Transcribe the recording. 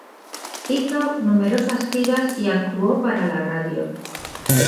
Hizo numerosas giras y actuó para la radio.